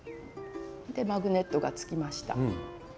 マグネットがつきました。